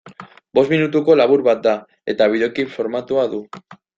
Bost minutuko labur bat da, eta bideoklip formatua du.